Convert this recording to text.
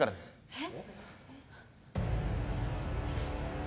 えっ？